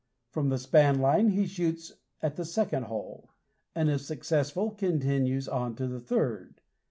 From the span line he shoots at the second hole, and if successful continues on to the third.